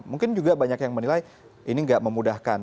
mungkin juga banyak yang menilai ini gak memudahkan